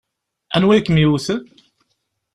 Anwa i kem-yewwten?